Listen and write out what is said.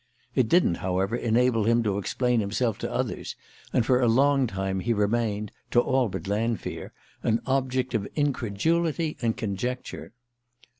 It didn't, however, enable him to explain himself to others, and for a long time he remained, to all but Lanfear, an object of incredulity and conjecture.